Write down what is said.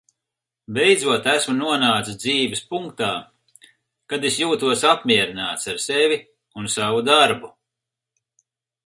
Beidzot esmu nonācis dzīves punktā, kad es jūtos apmierināts ar sevi un savu darbu.